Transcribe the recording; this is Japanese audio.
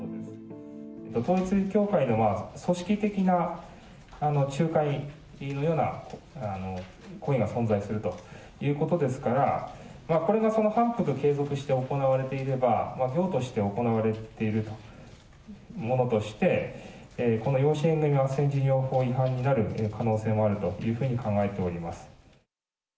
統一教会の組織的な仲介のような行為が存在するということですから、これが反復継続して行われていれば、業として行われているものとして、この養子縁組あっせん事業法違反になる可能性もあるというふうに考えております。